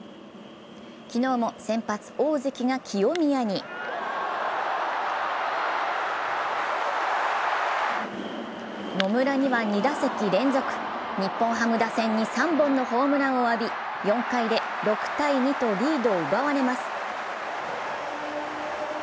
昨日も先発・大関が清宮に野村には２打席連続日本ハム打線に３本のホームランを浴び４回で６−２とリードを奪われます。